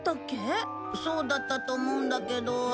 そうだったと思うんだけど。